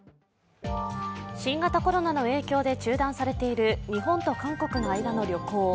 新型コロナの影響で中断されている日本と韓国の間の旅行。